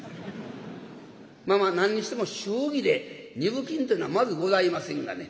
まあまあ何にしても祝儀で二分金ってのはまずございませんがね